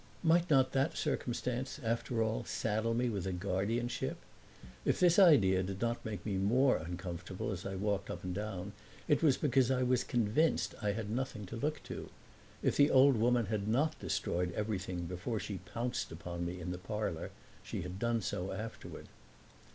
Might not that circumstance after all saddle me with a guardianship? If this idea did not make me more uncomfortable as I walked up and down it was because I was convinced I had nothing to look to. If the old woman had not destroyed everything before she pounced upon me in the parlor she had done so afterward.